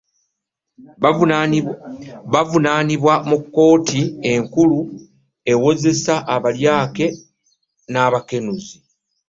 Baavunaanibwa mu kkooti enkulu ewozesa abalyake n'abakenuzi